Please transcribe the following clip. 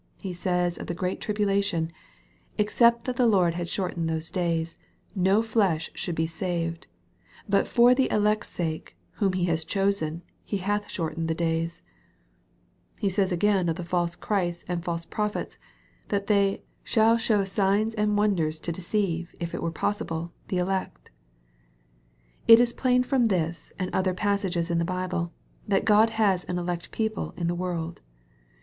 He says of the great tribulation, "Except that the Lord had shortened those days, no flesh should be saved ; but for the elect's sake, whom He hath chosen, He hath short ened the days " He says again of the false Christs and false prophets, that they " shall show signs and wonders, to deceive, if it were possible, the elect/' It is plain from this, and other passages in the Bible, that God has an elect people in the world.